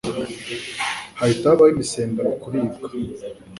hahita habaho imisemburo kuribwa